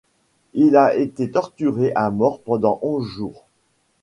Il a été torturé à mort pendant onze jours.